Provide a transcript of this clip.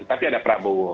tapi ada prabowo